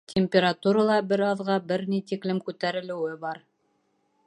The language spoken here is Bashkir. Температура ла бер аҙға бер ни тиклем күтәрелеүе бар.